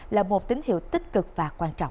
là một tín hiệu tích cực và quan trọng